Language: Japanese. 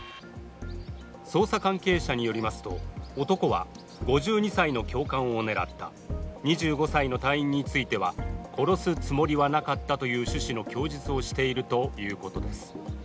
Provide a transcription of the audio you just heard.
捜査関係者によりますと男は５２歳の教官を狙った、２５歳の隊員については殺すつもりはなかったという趣旨の供述をしているということです。